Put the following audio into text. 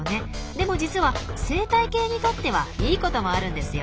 でも実は生態系にとってはいいこともあるんですよ。